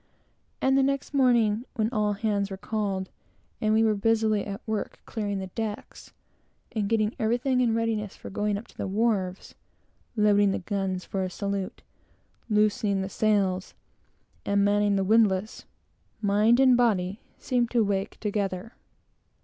And the next morning, when all hands were called, and we were busily at work, clearing the decks, and getting everything in readiness for going up to the wharves, loading the guns for a salute, loosing the sails, and manning the windlass mind and body seemed to wake together.